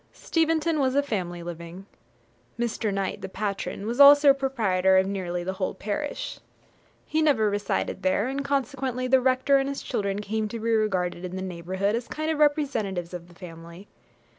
Steventon was a family living. Mr. Knight, the patron, was also proprietor of nearly the whole parish. He never resided there, and consequently the rector and his children came to be regarded in the neighbourhood as a kind of representatives of the family.